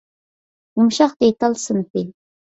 يۇمشاق دېتال سىنىپى